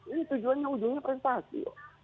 ini tujuannya prestasi